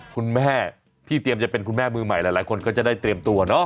คุณแม่ที่เตรียมจะเป็นคุณแม่มือใหม่หลายคนก็จะได้เตรียมตัวเนาะ